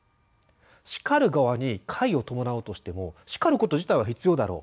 「叱る側に快を伴うとしても叱ること自体は必要だろう」